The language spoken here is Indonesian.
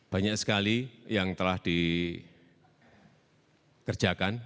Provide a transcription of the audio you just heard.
banyak sekali yang telah dikerjakan